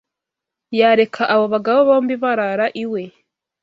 Yareka abo bagabo bombi barara iwe.